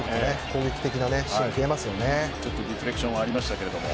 攻撃的なシーンが増えますよね。